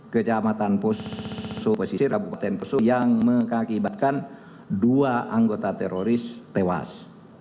kecamatan puso posisir kabupaten puso yang mengakibatkan dua anggota teroris tewas